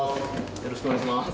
よろしくお願いします。